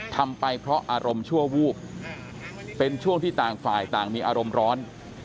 ทำไปเพราะอารมณ์ชั่ววูบเป็นช่วงที่ต่างฝ่ายต่างมีอารมณ์ร้อน